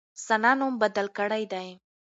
ثنا نوم بدل کړی دی.